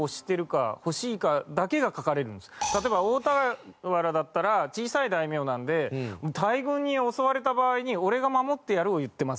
例えば大田原だったら小さい大名なんで「大軍に襲われた場合に俺が守ってやる」を言ってます。